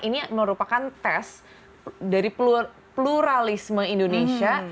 ini merupakan tes dari pluralisme indonesia